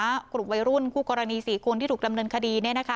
ผู้ต้องหากลุ่มวัยรุ่นคู่กรณี๔คุณที่ถูกดำเนินคดี